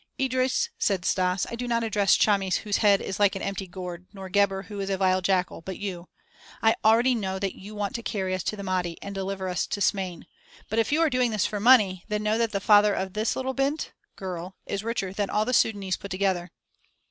"Idris," said Stas, "I do not address Chamis whose head is like an empty gourd, nor Gebhr who is a vile jackal, but you. I already know that you want to carry us to the Mahdi and deliver us to Smain. But if you are doing this for money, then know that the father of this little 'bint' (girl) is richer than all the Sudânese put together."